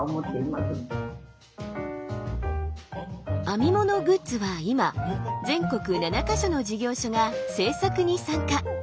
編み物グッズは今全国７か所の事業所が制作に参加！